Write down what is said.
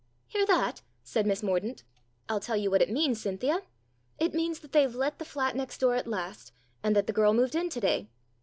"Hear that?" said Miss Mordaunt. "I'll tell you what it means, Cynthia. It means that they've let the flat next door at last, and that the girl moved in to day.